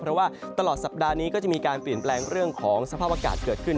เพราะว่าตลอดสัปดาห์นี้ก็จะมีการเปลี่ยนแปลงเรื่องของสภาพอากาศเกิดขึ้น